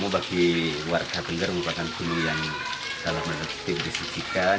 bromo bagi warga benar merupakan dunia yang dalam menentuk disijikan